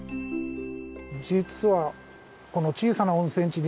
実はこの小さな温泉地に